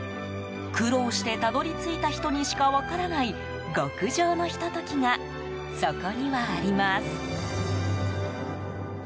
苦労してたどり着いた人にしか分からない極上のひと時がそこにはあります。